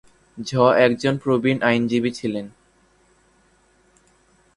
ঝা একজন প্রবীণ আইনজীবী ছিলেন।